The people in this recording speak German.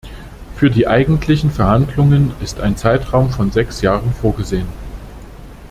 Für die eigentlichen Verhandlungen ist ein Zeitraum von sechs Jahren vorgesehen.